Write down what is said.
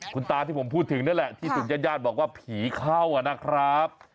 คุณตาที่ผมพูดถึงนั่นแหละที่ถูกญาติญาติบอกว่าผีเข้านะครับ